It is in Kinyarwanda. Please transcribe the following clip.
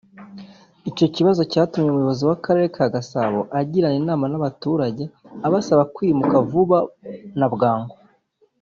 Icyo kibazo cyatumye umuyobozi w’Akarere ka Gasabo agirana inama n’abo baturage abasaba kwimuka vuba na bwangu